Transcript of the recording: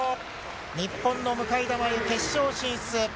日本の向田真優、決勝進出。